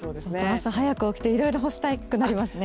朝早く起きていろいろ干したくなりますね。